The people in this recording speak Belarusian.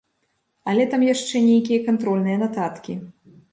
Але там яшчэ нейкія кантрольныя нататкі.